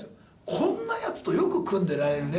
「こんなヤツとよく組んでいられるね」